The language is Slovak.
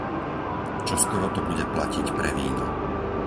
Čoskoro to bude platiť pre víno.